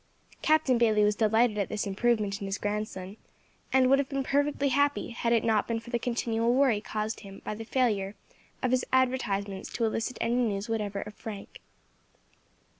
Captain Bayley was delighted at this improvement in his grandson, and would have been perfectly happy had it not been for the continual worry caused him by the failure of his advertisements to elicit any news whatever of Frank.